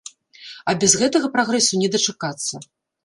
А без гэтага прагрэсу не дачакацца.